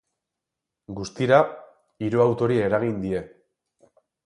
Guztira, hiru autori eragin die.